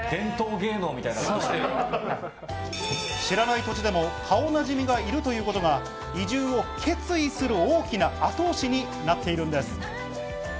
知らない土地でも顔なじみがいるということが移住を決意する大きな後押しになっているんです。